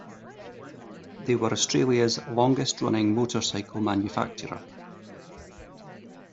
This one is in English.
They were Australia's longest running motorcycle manufacturer.